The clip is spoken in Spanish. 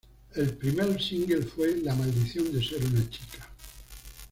El primer single fue "La maldición de ser una chica".